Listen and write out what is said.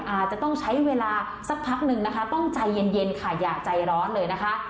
อาจจะต้องใช้เวลาสักพักหนึ่งนะคะต้องใจเย็นค่ะอย่าใจร้อนเลยนะคะ